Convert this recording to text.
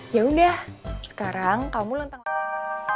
yaudah sekarang kamu luntang lantung